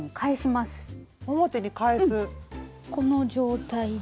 この状態で。